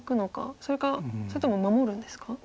それかそれとも守るんですか？